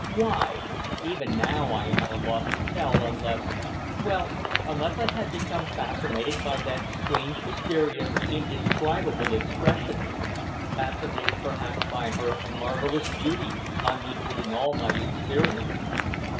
Why? Even now I am at a loss to tell, unless well, unless I had become fascinated by that strange, mysterious, indescribable expression; fascinated, perhaps, by her marvellous beauty, unequalled in all my experience.